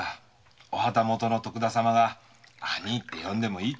お旗本の徳田様が「兄い」って呼んでもいいってよ。